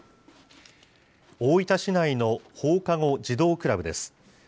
大分市内の放課後児童クラブです。